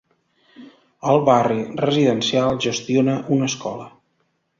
El barri residencial gestiona una escola.